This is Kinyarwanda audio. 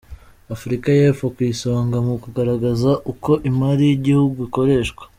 Afurika y’Epfo ku isonga mu kugaragaza uko imari y’igihugu ikoreshwa